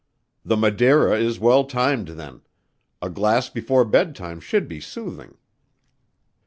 "The Madeira is well timed then. A glass before bedtime should be soothing."